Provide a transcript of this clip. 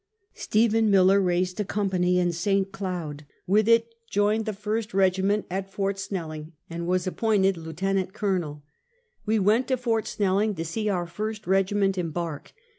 Stephen Miller raised a company in St. Cloud, with it joined the first regiment at Ft. Snelling, and was appointed Lieut. Col. We went to Ft. Snelling to see our first regiment embark.